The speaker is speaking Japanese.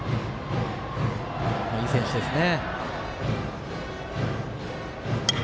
いい選手ですね。